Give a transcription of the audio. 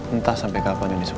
entah sampe kapan ini semua selesai